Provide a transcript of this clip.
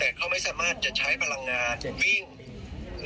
แต่เขาไม่สามารถจะใช้พลังงานวิ่งอืม